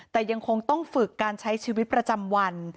แต่ยังคงต้องฝึกการใช้ชีวิตประจำวัน